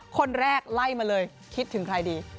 คนแรกไล่มาเลยคิดถึงใครดี